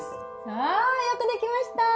よくできました。